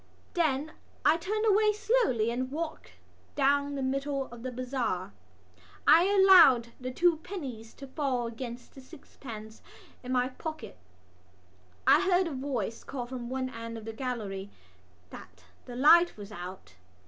Then I turned away slowly and walked down the middle of the bazaar. I allowed the two pennies to fall against the sixpence in my pocket. I heard a voice call from one end of the gallery that the light was out.